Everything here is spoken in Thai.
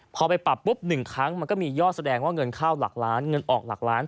พอไปปรับปุ๊บ๑ครั้งมันก็มียอดแสดงว่าเงินเข้าหลักล้านเงินออกหลักล้าน